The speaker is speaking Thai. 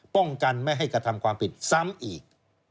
ป้องกันไม่ให้กระทำความผิดซ้ำอีก